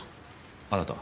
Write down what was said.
あなたは？